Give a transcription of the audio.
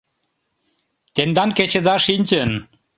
Тендан кечыда шинчын.